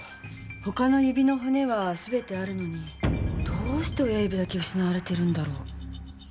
他の指の骨は全てあるのにどうして親指だけ失われてるんだろう？